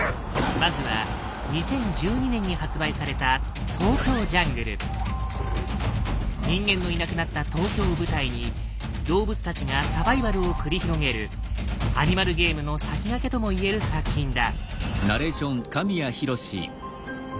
まずは２０１２年に発売された人間のいなくなった東京を舞台に動物たちがサバイバルを繰り広げるアニマルゲームの先駆けとも言える作品だ。